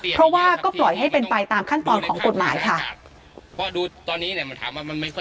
เพราะว่าก็ปล่อยให้เป็นไปตามขั้นตอนของกฎหมายค่ะ